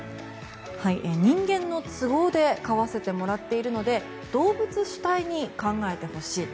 人間の都合で飼わせてもらっているので動物主体に考えてほしいと。